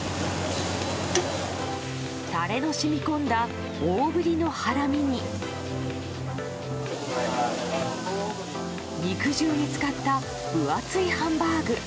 タレの染み込んだ大ぶりのハラミに肉汁に浸かった分厚いハンバーグ。